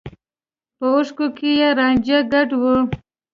په اوښکو کې يې رانجه ګډ و.